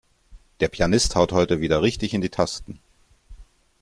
Der Pianist haut heute wieder richtig in die Tasten.